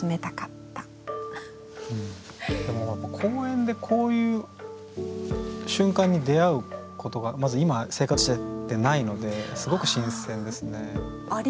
でも何か公園でこういう瞬間に出会うことがまず今生活しててないのですごく新鮮ですね。